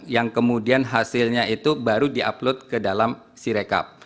yang kemudian hasilnya itu baru di upload ke dalam sirekap